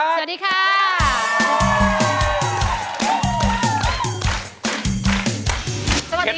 สวัสดีจ้าป้านี่สิ